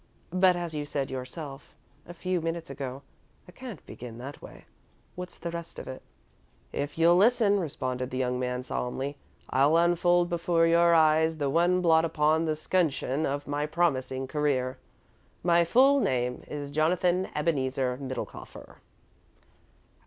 "But, as you said yourself a few minutes ago, I can't begin that way. What's the rest of it?" "If you'll listen," responded the young man, solemnly, "I will unfold before your eyes the one blot upon the 'scutcheon of my promising career. My full name is Jonathan Ebenezer Middlekauffer."